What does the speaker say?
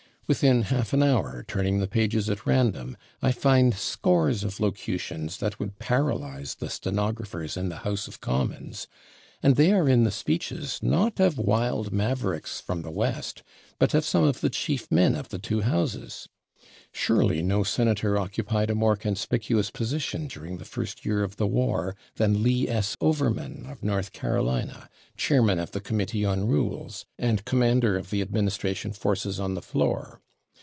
Within half an hour, turning the pages at random, I find scores of locutions that would paralyze the stenographers in the House of Commons, and they are in the speeches, not of wild mavericks from the West, but of some of the chief men of the two Houses. Surely no Senator occupied a more conspicuous [Pg142] position, during the first year of the war, than Lee S. Overman, of North Carolina, chairman of the Committee on Rules, and commander of the administration forces on the floor.